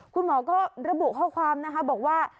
คุณหมอก็ระบุข้อความนะคะบอกว่า